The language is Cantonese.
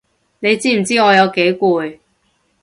你知唔知我有幾攰？